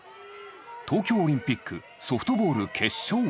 東京オリンピックソフトボール決勝。